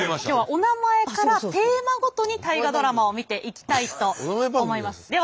今日はおなまえからテーマごとに「大河ドラマ」を見ていきたいと思います。